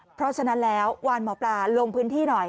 เพราะฉะนั้นแล้ววานหมอปลาลงพื้นที่หน่อย